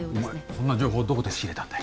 そんな情報どこで仕入れたんだよ